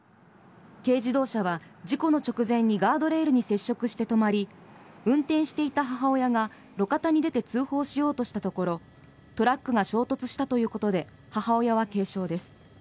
軽自動車は事故の直前にガードレールに接触して止まり運転していた母親が路肩に出て通報しようとしたところトラックが衝突したということで母親は軽傷です。